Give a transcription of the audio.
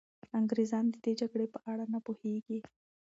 انګریزان د دې جګړې په اړه نه پوهېږي.